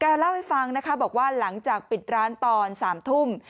เล่าให้ฟังนะคะบอกว่าหลังจากปิดร้านตอน๓ทุ่ม